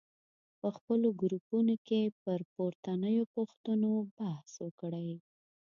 په خپلو ګروپونو کې پر پورتنیو پوښتنو بحث وکړئ.